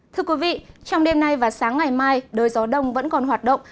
thưa quý vị trong đêm nay và sáng ngày mai đời gió đông vẫn còn hoạt động